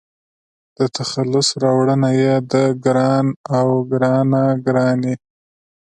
د تخلص راوړنه يې د --ګران--او --ګرانه ګراني